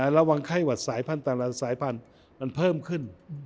ระวังไข้หวัดสายพันธุ์แต่ละสายพันธุ์มันเพิ่มขึ้น